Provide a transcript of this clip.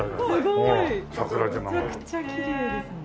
めちゃくちゃきれいですね。